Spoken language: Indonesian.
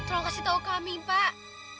tolong kasih tahu kami pak